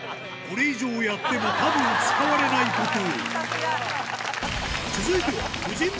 これ以上やってもたぶん使われないことを。